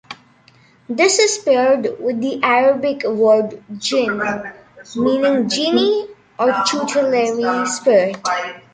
This is paired with the Arabic word "Jinn", meaning "genie" or "tutelary spirit.